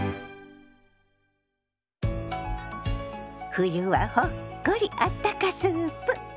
「冬はほっこりあったかスープ」。